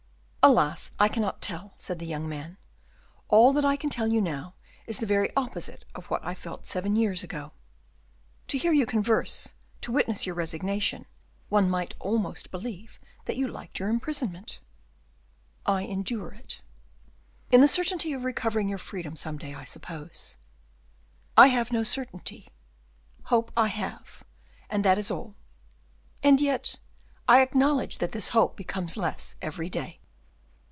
"Alas! I cannot tell," said the young man; "all that I can tell you now is the very opposite of what I felt seven years ago." "To hear you converse, to witness your resignation, one might almost believe that you liked your imprisonment?" "I endure it." "In the certainty of recovering your freedom some day, I suppose?" "I have no certainty; hope, I have, and that is all; and yet I acknowledge that this hope becomes less every day."